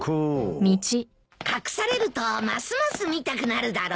隠されるとますます見たくなるだろ？